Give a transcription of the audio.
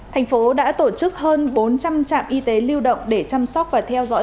thành phố đã tổ chức hơn bốn trăm linh trạm y tế lưu động để chăm sóc và theo dõi